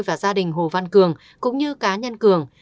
và gia đình hồ văn cường cũng như cá nhân cường